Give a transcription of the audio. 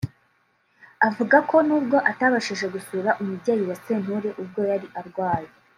avuga ko nubwo atabashije gusura umubyeyi wa Sentore ubwo yari arwaye